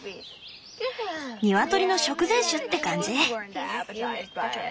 ニワトリの食前酒って感じ？